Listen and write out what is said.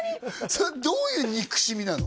それはどういう憎しみなの？